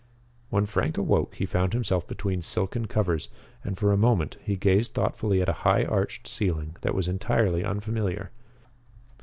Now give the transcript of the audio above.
When Frank awoke he found himself between silken covers, and for a moment he gazed thoughtfully at a high arched ceiling that was entirely unfamiliar.